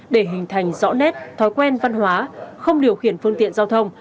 để hình thành rõ nét thói quen văn hóa không điều khiển phương tiện giao thông